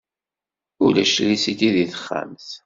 Ulac trisiti deg texxamt.